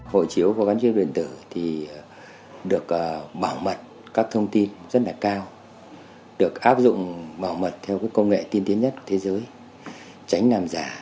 hộ chiếu có gắn chip điện tử thì được bảo mật các thông tin rất là cao được áp dụng bảo mật theo công nghệ tiên tiến nhất thế giới tránh làm giả